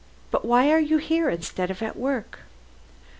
But why are you here instead of at work?"